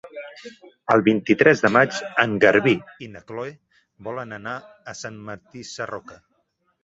El vint-i-tres de maig en Garbí i na Chloé volen anar a Sant Martí Sarroca.